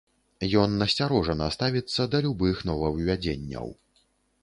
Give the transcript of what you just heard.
Ён насцярожана ставіцца да любых новаўвядзенняў.